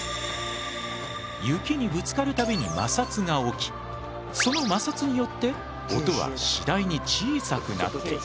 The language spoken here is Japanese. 雪にぶつかるたびに摩擦が起きその摩擦によって音は次第に小さくなっていく。